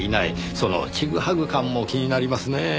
そのチグハグ感も気になりますねぇ。